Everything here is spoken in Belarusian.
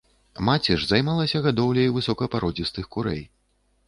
Маці ж займалася гадоўляй высокапародзістых курэй.